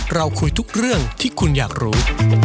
เราคุยทุกเรื่องที่คุณอยากรู้